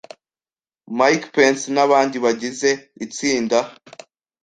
Mike Pence n'abandi bagize itsinda